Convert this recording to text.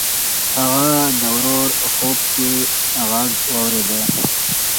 هغه د ورور خوب کې غږ واورېد.